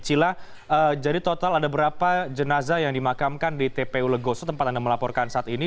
cila jadi total ada berapa jenazah yang dimakamkan di tpu legoso tempat anda melaporkan saat ini